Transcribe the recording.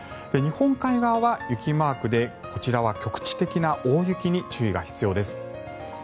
日本海側は雪マークでこちらは局地的な大雪に注意が必要です。